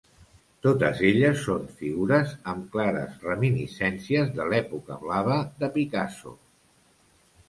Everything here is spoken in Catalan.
Totes elles són figures amb clares reminiscències de l’època blava de Picasso.